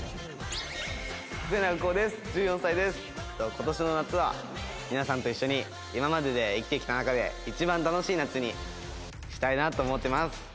今年の夏は皆さんと一緒に今までで生きてきた中で一番楽しい夏にしたいなと思ってます。